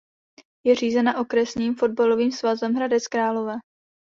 Je řízena Okresním fotbalovým svazem Hradec Králové.